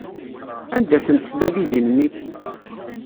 Anda-tent tbalizin-nni?